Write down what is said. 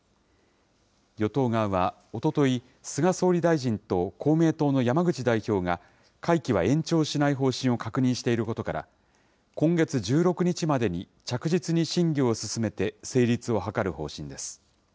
与党側はおととい、菅総理大臣と公明党の山口代表が、会期は延長しない方針を確認していることから、今月１６日までに着実に審議を進めて成立を図る方針です。